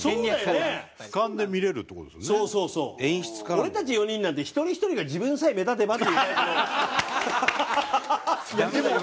俺たち４人なんて一人ひとりが自分さえ目立てばっていうタイプの。